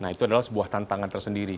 nah itu adalah sebuah tantangan tersendiri